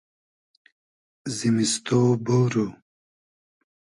زیمیستو بۉرو